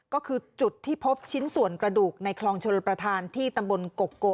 ก็คือจุดที่พบชิ้นส่วนกระดูกในคลองชลประธานที่ตำบลโกโก